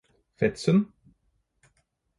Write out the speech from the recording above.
Fetsund